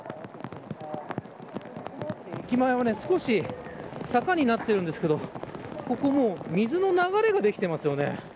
駅前は少し坂になっているんですけどここも水の流れができていますよね。